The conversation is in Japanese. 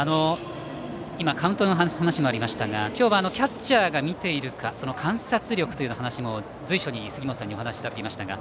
今、カウントの話もありましたが今日はキャッチャーが見ているか観察力という話も随所に杉本さんにお話しいただきましたが。